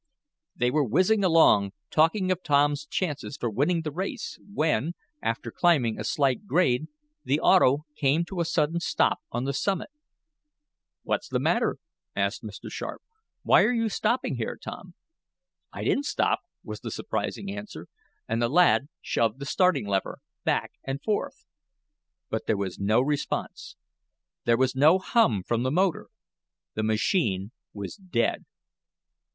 They were whizzing along, talking of Tom's chances for winning the race when, after climbing a slight grade, the auto came to a sudden stop on the summit. "What's the matter?" asked Mr. Sharp. "Why are you stopping here, Tom?" "I didn't stop," was the surprising answer, and the lad shoved the starting lever back and forth. But there was no response. There was no hum from the motor. The machine was "dead."